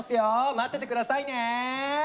待ってて下さいね！